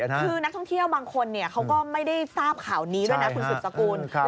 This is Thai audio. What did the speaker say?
คือนักท่องเที่ยวบางคนเขาก็ไม่ได้ทราบข่าวนี้ด้วยนะคุณสุดสกุล